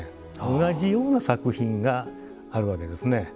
同じような作品があるわけですね。